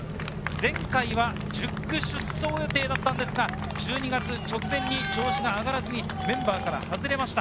前回は１０区出走予定でしたが１２月直前に調子が上がらず、メンバーから外れました。